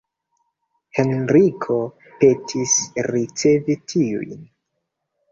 Henriko petis ricevi tiujn.